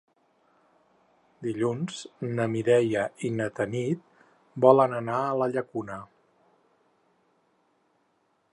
Dilluns na Mireia i na Tanit volen anar a la Llacuna.